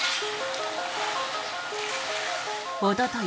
おととい